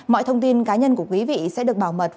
mọi thông tin cá nhân của quý vị sẽ được bảo mật